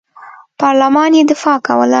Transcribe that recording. پارلمان یې دفاع کوله.